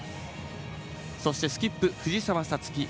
そしてスキップ、藤澤五月。